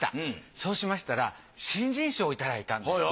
そうしましたら新人賞をいただいたんです。